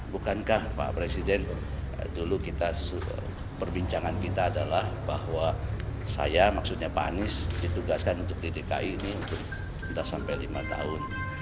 bukankah pak presiden dulu kita perbincangan kita adalah bahwa saya maksudnya pak anies ditugaskan untuk di dki ini untuk entah sampai lima tahun